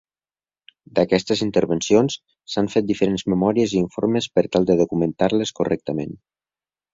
D'aquestes intervencions s'han fet diferents memòries i informes per tal de documentar-les correctament.